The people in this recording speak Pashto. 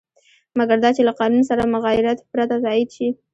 مګر دا چې له قانون سره مغایرت پرته تایید شي.